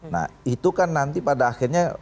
nah itu kan nanti pada akhirnya